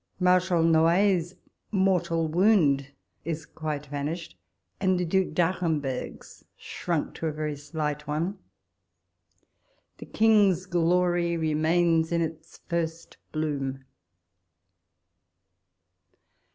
Marshal Xoailles' mortal wound is quite vanished, and Due d'Aremberg's shrunk to a very slight one. The King's glory remains in its first bloom.